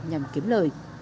nhằm kiếm lời